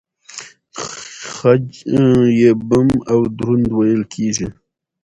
خج يې بم او دروند وېل کېږي.